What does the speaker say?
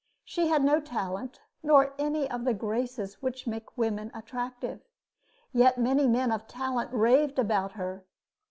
She had no talent nor any of the graces which make women attractive; yet many men of talent raved about her.